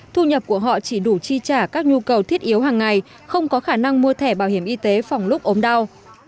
thu nhập của họ chỉ đủ chi trả các nhu cầu thiết yếu hàng ngày không có khả năng mua thẻ bảo hiểm y tế phòng lúc ốm đau